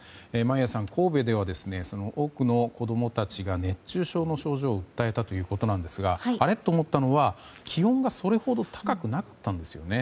眞家さん神戸では多くの子供たちが熱中症の症状を訴えたということですがあれ？と思ったのが気温がそれほど高くなかったんですよね。